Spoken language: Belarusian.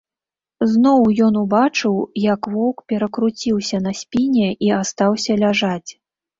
Зноў ён убачыў, як воўк перакруціўся на спіне і астаўся ляжаць.